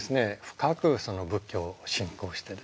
深く仏教を信仰してですね